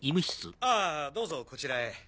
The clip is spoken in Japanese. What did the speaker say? あぁどうぞこちらへ。